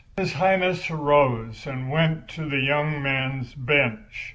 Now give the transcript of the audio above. His Highness arose and went to the young man's bench.